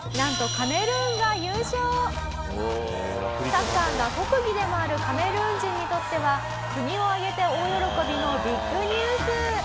サッカーが国技でもあるカメルーン人にとっては国を挙げて大喜びのビッグニュース。